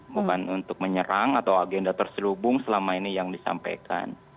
bukan untuk menyerang atau agenda terselubung selama ini yang disampaikan